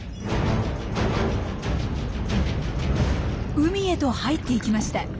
海へと入っていきました。